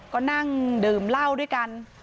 ก็นั่งดื่มเหล้าด้วยกัน